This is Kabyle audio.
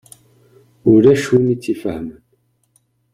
Ulac win i tt-ifehmen.